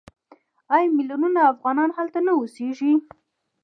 آیا میلیونونه افغانان هلته نه اوسېږي؟